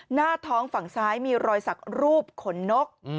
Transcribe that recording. หน้าท้องฝั่งซ้ายมีรอยสักรูปขนนก